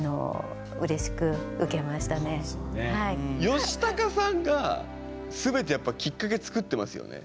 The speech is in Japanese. ヨシタカさんが全てやっぱきっかけ作ってますよね。